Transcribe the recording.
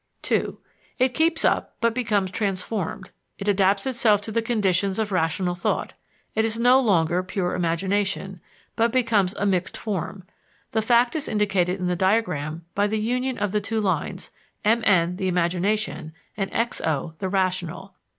(2) It keeps up but becomes transformed; it adapts itself to the conditions of rational thought; it is no longer pure imagination, but becomes a mixed form the fact is indicated in the diagram by the union of the two lines, MN, the imagination, and XO, the rational.